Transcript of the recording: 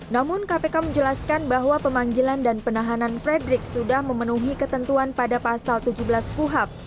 namun kpk menjelaskan bahwa pemanggilan dan penahanan frederick sudah memenuhi ketentuan pada pasal tujuh belas kuhap